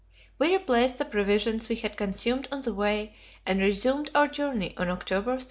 We replaced the provisions we had consumed on the way, and resumed our journey on October 31.